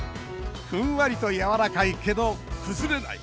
ふんわりと、やわらかいけど崩れない。